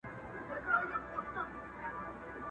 دا په جرګو کي د خبرو قدر څه پیژني.!